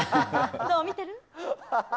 どう見てる？